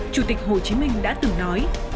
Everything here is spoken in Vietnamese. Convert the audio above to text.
chủ tịch hồ chí minh đã từng nói